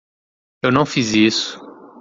Eu não fiz isso.